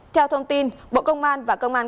theo thông tin bộ công an và công an